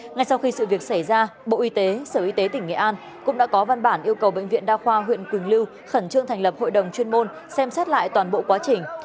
ngay sau khi sự việc xảy ra bộ y tế sở y tế tỉnh nghệ an cũng đã có văn bản yêu cầu bệnh viện đa khoa huyện quỳnh lưu khẩn trương thành lập hội đồng chuyên môn xem xét lại toàn bộ quá trình